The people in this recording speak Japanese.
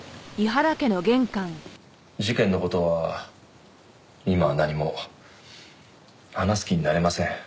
事件の事は今は何も話す気になれません。